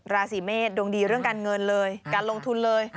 ราศีเมษดวงดีเรื่องการเงินเลยการลงทุนเลย